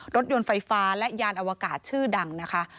รถยนต์ไฟฟ้าและยานอวกาศชื่อดังนะคะ